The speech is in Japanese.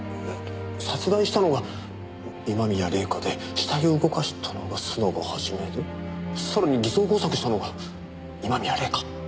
殺害したのが今宮礼夏で死体を動かしたのが須永肇でさらに偽装工作したのが今宮礼夏？